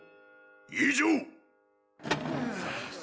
以上！